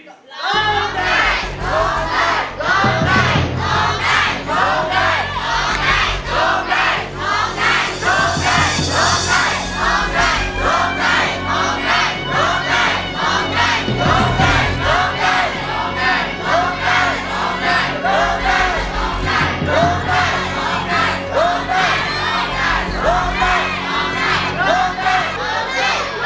ร้องได้ร้องได้ร้องได้